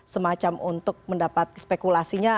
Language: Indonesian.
semacam untuk mendapat spekulasinya